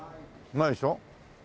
ないでしょ。